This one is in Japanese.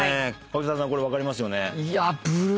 柿澤さんこれ分かりますよね。